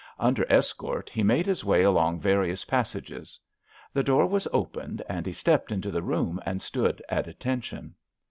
Under escort he made his way along various passages. The door was opened and he stepped into the room and stood at attention.